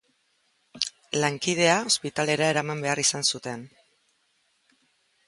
Lankidea ospitalera eraman behar izan zuten.